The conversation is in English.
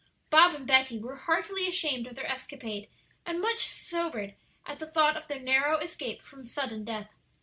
Bob and Betty were heartily ashamed of their escapade, and much sobered at the thought of their narrow escape from sudden death.